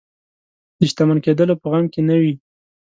د شتمن کېدلو په غم کې نه وي.